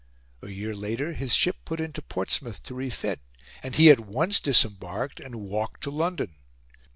A year later his ship put into Portsmouth to refit, and he at once disembarked and walked to London.